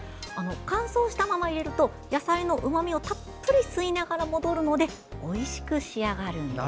乾燥したまま入れると野菜のうまみをたっぷり吸いながら戻るのでおいしく仕上がるんです。